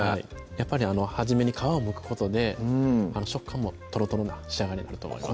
やっぱり初めに皮をむくことで食感もトロトロな仕上がりになると思います